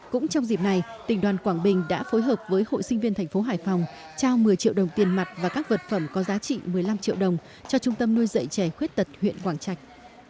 cũng trong dịp này tỉnh đoàn quảng bình đã phối hợp với hội sinh viên thành phố hải phòng trao một mươi triệu đồng tiền mặt và các vật phẩm có giá trị một mươi năm triệu đồng cho trung tâm nuôi dạy trẻ khuyết tật huyện quảng trạch